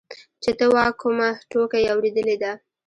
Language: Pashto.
چې ته وا کومه ټوکه يې اورېدلې ده.